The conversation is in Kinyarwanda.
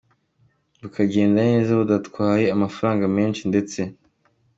bukagenda neza budatwaye amafaranga menshi ndetse